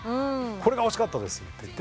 これが欲しかったです」と。